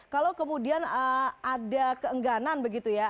kalau kemudian ada keengganan begitu ya